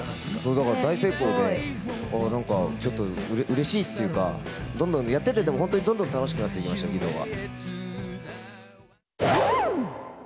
だから大成功で、なんか、ちょっとうれしいっていうか、どんどんやってて、本当にどんどん楽しくなっていきました、儀藤は。